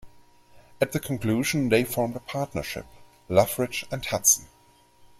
At the conclusion they formed a partnership, Loveridge and Hudson.